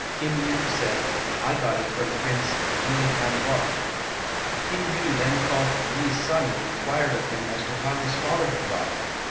Kim Yu said, "I got it from Prince Yi Hang bok." Kim Yu then called Yi's son and inquired of him as to how his father had got it.